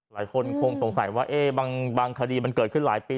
หลายคนคงสงสัยว่าบางคดีมันเกิดขึ้นหลายปี